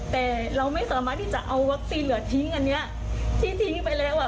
แต่เราไม่สามารถที่จะเอาวัคซีนเหลือทิ้งอันเนี้ยที่ทิ้งไปแล้วอ่ะ